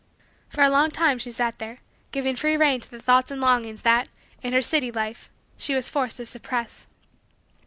For a long time she sat there giving free rein to the thoughts and longings that, in her city life, she was forced to suppress.